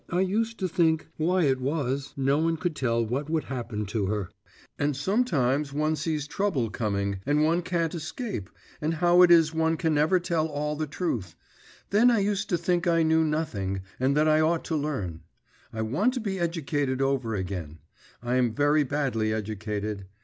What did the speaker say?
… I used to think why it was no one could tell what would happen to him; and sometimes one sees trouble coming and one can't escape; and how it is one can never tell all the truth.… Then I used to think I knew nothing, and that I ought to learn. I want to be educated over again; I'm very badly educated.